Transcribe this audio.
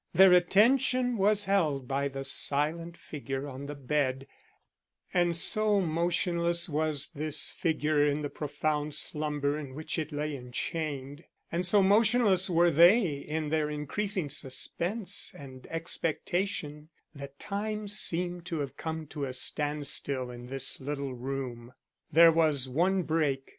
Their attention was held by the silent figure on the bed, and so motionless was this figure in the profound slumber in which it lay enchained, and so motionless were they in their increasing suspense and expectation, that time seemed to have come to a standstill in this little room. There was one break.